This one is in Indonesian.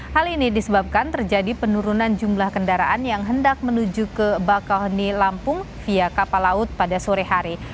hal ini disebabkan terjadi penurunan jumlah kendaraan yang hendak menuju ke bakauheni lampung via kapal laut pada sore hari